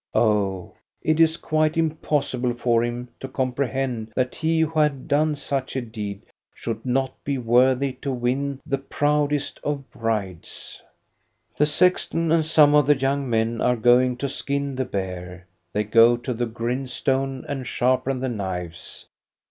Oh, it is quite impossible for him to comprehend that he who had done such a deed should not be worthy to win the proudest of brides. The sexton and some of the young men are going to skin the bear; they go to the grindstone and sharpen the knives.